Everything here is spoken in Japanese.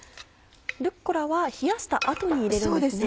ルッコラは冷やした後に入れるんですね。